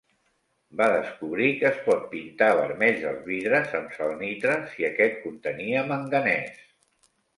Va descobrir que es pot pintar vermells els vidres amb salnitre, si aquest contenia manganès.